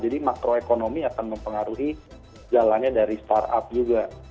jadi makro ekonomi akan mempengaruhi jalannya dari startup juga